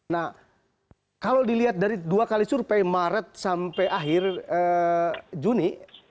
nah kalau dilihat dari dua kali survei maret sampai akhir juni